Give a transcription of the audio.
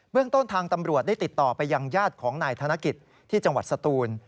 เรื่องต้นทางตำรวจได้ติดต่อไปยังญาติของนายธนกิจที่จังหวัดสตูน